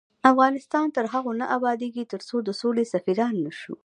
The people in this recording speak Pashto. افغانستان تر هغو نه ابادیږي، ترڅو د سولې سفیران نشو.